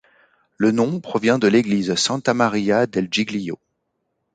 Le nom provient de l'église Santa Maria del Giglio.